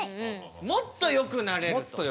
もっとよくなれると。